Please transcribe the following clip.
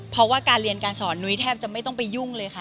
เพราะว่าการเรียนการสอนนุ้ยแทบจะไม่ต้องไปยุ่งเลยค่ะ